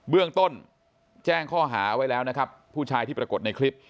เรื่องต้นแจ้งข้อหาไว้แล้วนะครับผู้ชายที่ปรากฏในคลิป